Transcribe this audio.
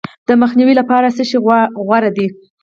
د مخنیوي لپاره څه شی غوره دي؟